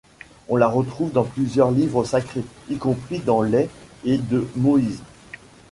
On la retrouve dans plusieurs livres sacrés, y compris dans les et de Moïse.